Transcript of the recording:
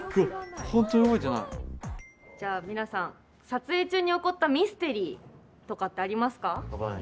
じゃあ、皆さん撮影中に起こったミステリーとかってありますか？